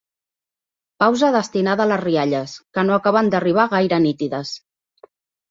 Pausa destinada a les rialles, que no acaben d'arribar gaire nítides.